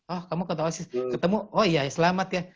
oh kamu ketemu oh iya ya selamat ya